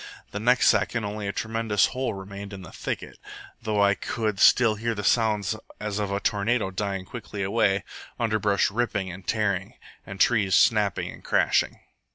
The next second only a tremendous hole remained in the thicket, though I could still hear the sounds as of a tornado dying quickly away, underbrush ripping and tearing, and trees snapping and crashing.